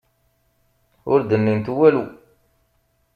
Ur d-nnint walu.